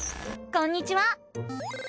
こんにちは！